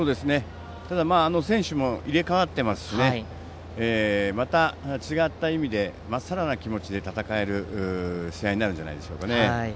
ただ、選手も入れ替わっていますしまた違った意味でまっさらな気持ちで戦える試合になるんじゃないでしょうかね。